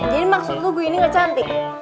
jadi maksud lo gue ini gak cantik